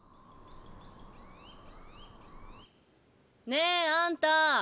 ねえあんた